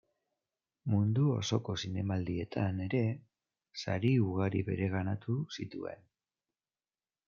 Mundu osoko Zinemaldietan ere sari ugari bereganatu zituen.